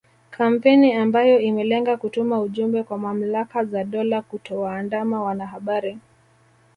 Kampeni ambayo imelenga kutuma ujumbe kwa mamlaka za dola kutowaandama wanahabari